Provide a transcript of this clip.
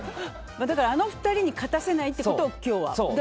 あの２人に勝たせないってことを今日は。